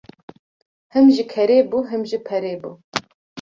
Him ji kerê bû him ji perê bû.